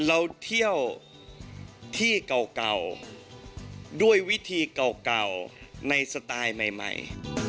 เราเที่ยวที่เก่าด้วยวิธีเก่าในสไตล์ใหม่